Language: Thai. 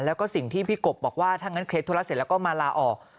แล้วก็สิ่งที่พี่กบบอกว่าถ้างั้นเคลียร์ธุระเสร็จแล้วก็มาลาออก